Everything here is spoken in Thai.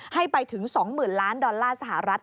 ให้ไปถึง๒๐๐๐ล้านดอลลาร์สหรัฐ